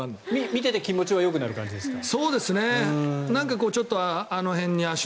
見ていて気持ちはよくなる感じですか？